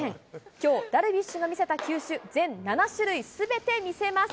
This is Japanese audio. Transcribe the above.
きょう、ダルビッシュが見せた球種、全７種類すべて見せます。